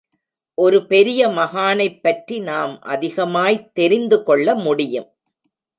ஒரு பெரிய மகானைப் பற்றி நாம் அதிகமாய்த் தெரிந்துகொள்ள முடியும்.